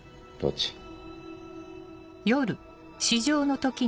どっち？